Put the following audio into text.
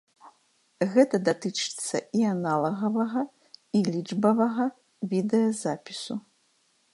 Гэта датычыцца і аналагавага і лічбавага відэазапісу.